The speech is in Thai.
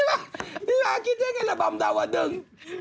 ระหว่างพี่มาร์กินยังไงระหว่างดาวนึ่ง